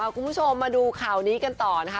คุณผู้ชมมาดูข่าวนี้กันต่อนะคะ